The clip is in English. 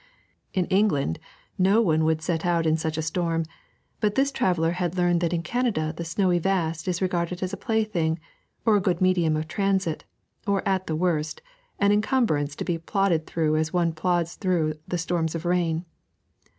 In England no one would set out in such a storm; but this traveller had learned that in Canada the snowy vast is regarded as a plaything, or a good medium of transit, or at the worst, an encumbrance to be plodded through as one plods through storms of rain.